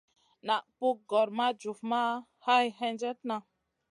Naʼ pug gor ma jufma hay hendjena.